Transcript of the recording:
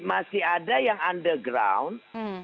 masih ada yang underground